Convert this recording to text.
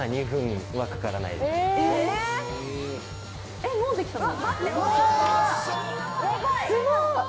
えっもうできたの？